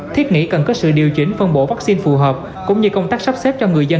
thiết nghĩ cần có sự điều chỉnh phân bổ vaccine phù hợp cũng như công tác sắp xếp cho người dân